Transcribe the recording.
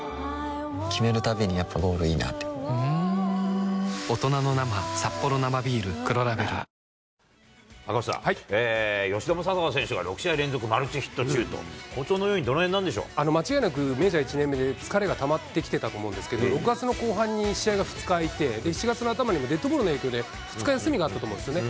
決めるたびにやっぱゴールいいなってふん赤星さん、吉田正尚選手が６試合連続マルチヒット中と、好調の要因、どのへ間違いなく、メジャー１年目で疲れがたまってきてたと思うんですけど、６月の後半に試合が２日空いて、７月の頭にもデッドボールの影響で２日休みがあったと思うんですよね。